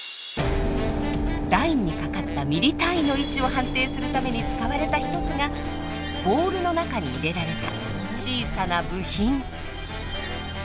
ラインにかかったミリ単位の位置を判定するために使われた一つがボールの中に入れられた小さな部品。